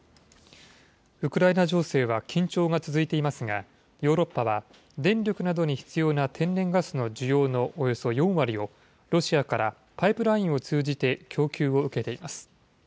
ウクライナ情勢は緊張が続いていますが、ヨーロッパは、電力などに必要な天然ガスの需要のおよそ４割をロシアからパイプラインを通じて供給を受けています。